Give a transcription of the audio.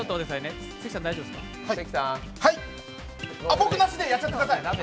僕なしでやっちゃってください。